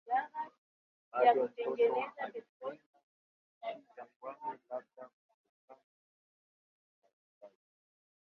Bado mtoto alikwenda kuishi jangwani, labda kutokana na kifo cha wazazi.